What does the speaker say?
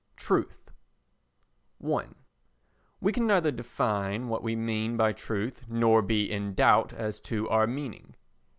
Truth i We can neither define what we mean by truth nor be in doubt as to our meaning.